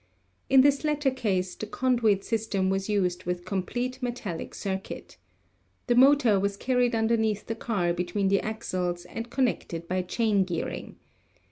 In this latter case the conduit 288 ELECTRICITY system was used with complete metallic circuit. The mo tor was carried underneath the car between the axles and connected by chain gearing.